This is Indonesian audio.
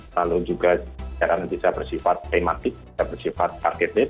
lalu juga siaran bisa bersifat tematik bisa bersifat targeted